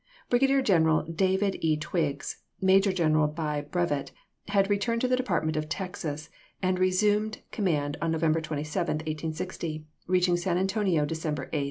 Brigadier General David E. Twiggs, major general by brevet, had returned to the Department of Texas and resumed command on November 27, 1860, reaching San Antonio De cember 8.